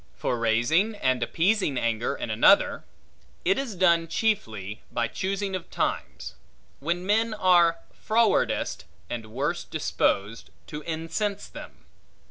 For raising and appeasing anger in another; it is done chiefly by choosing of times, when men are frowardest and worst disposed, to incense them.